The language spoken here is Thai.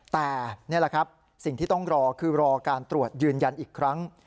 แต่นี่แหละครับสิ่งที่ต้องรอคือรอการตรวจยืนยันอีกครั้ง